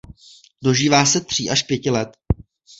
Dožívá se tří až pěti let.